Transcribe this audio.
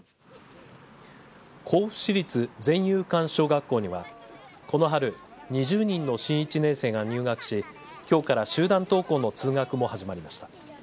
甲府市立善誘館小学校にはこの春２０人の新１年生が入学しきょうから集団登校の通学も始まりました。